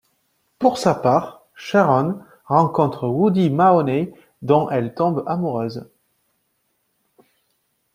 Pour sa part, Sharon rencontre Woody Mahoney dont elle tombe amoureuse.